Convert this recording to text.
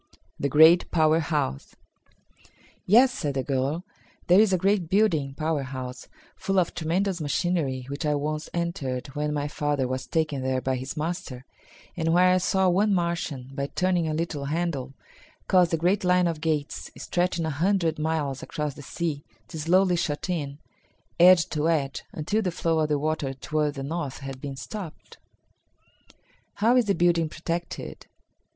The Great Power House. "Yes," said the girl. "There is a great building (power house) full of tremendous machinery which I once entered when my father was taken there by his master, and where I saw one Martian, by turning a little handle, cause the great line of gates, stretching a hundred miles across the sea, to slowly shut in, edge to edge, until the flow of the water toward the north had been stopped." "How is the building protected?"